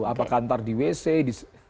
apakah ntar di wc di